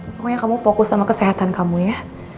pokoknya kamu fokus sama kesehatan kamu ya